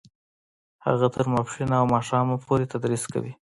هغه تر ماسپښینه او ماښامه پورې تدریس کوي